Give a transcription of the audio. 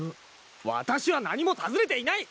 わたしは何も尋ねていない！